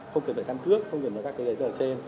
không cần phải tham cước không cần phải các cái đề tờ trên